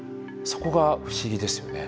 そこが不思議ですよね。